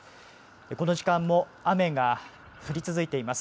この時間も雨が降り続いています。